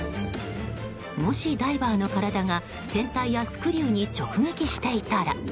もしダイバーの体が、船体やスクリューに直撃していたら。